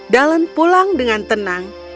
dalen pulang dengan tenang